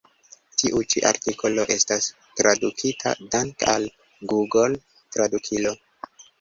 Tiu ĉi artikolo estas tradukita dank' al Google-Tradukilo.